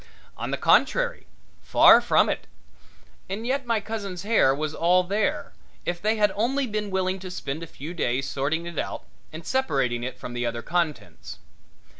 On the contrary, far from it. And yet my cousin's hair was all there, if they had only been willing to spend a few days sorting it out and separating it from the other contents.